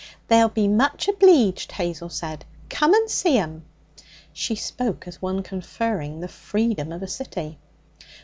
'They'll be much obleeged,' Hazel said. 'Come and see 'em.' She spoke as one conferring the freedom of a city.